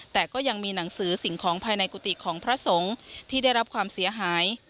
แต่ก็ยังมีหนังสือสิ่งของภายในกุฏิของพระสงฆ์ที่ได้รับความเสียหาย